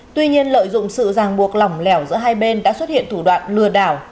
tuy nhiên lợi dụng sự ràng buộc lỏng lẻo giữa hai bên đã xuất hiện thủ đoạn lừa đảo